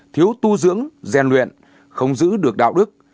thiếu tu dưỡng gian luyện không giữ được đạo đức